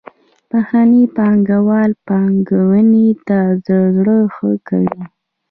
بهرني پانګوال پانګونې ته زړه ښه کوي.